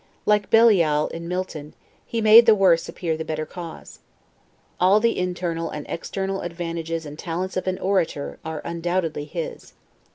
Like Belial in Milton, "he made the worse appear the better cause." All the internal and external advantages and talents of an orator are undoubtedly his.